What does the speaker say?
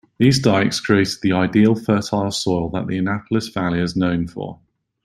These dykes created the ideal fertile soil that the Annapolis Valley is known for.